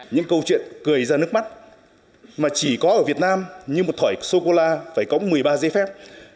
những câu chuyện cười ra nước mắt mà chỉ có ở việt nam như một thỏi sô cô la phải có một mươi ba giấy phép